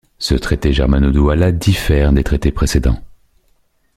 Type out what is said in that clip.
Ce traité germano-douala diffère des traités précédents.